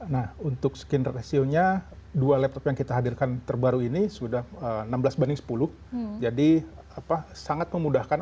nah untuk screen ratio nya dua laptop yang kita hadirkan terbaru ini sudah enam belas banding sepuluh jadi sangat memudahkan